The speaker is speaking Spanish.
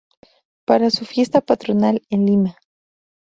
Para su fiesta patronal en Lima.